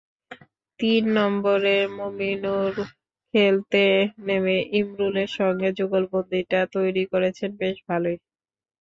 তিন নম্বরে মুমিনুল খেলতে নেমে ইমরুলের সঙ্গে যুগলবন্দীটা তৈরি করেছেন বেশ ভালোই।